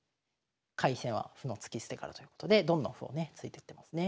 「開戦は歩の突き捨てから」ということでどんどん歩をね突いてってますね。